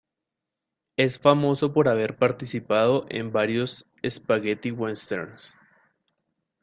Es famoso por haber participado en varios "spaghetti westerns".